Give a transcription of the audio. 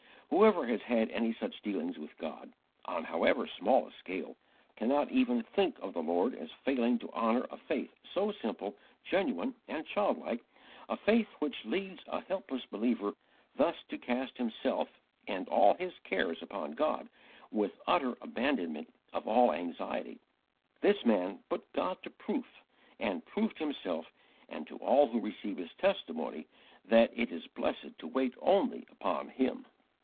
Whoever has had any such dealings with God, on however small a scale, cannot even think of the Lord as failing to honour a faith so simple, genuine, and childlike a faith which leads a helpless believer thus to cast himself and all his cares upon God with utter abandonment of all anxiety. This man put God to proof, and proved to himself and to all who receive his testimony that it is blessed to wait only upon Him.